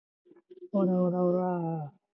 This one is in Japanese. オラオラオラァ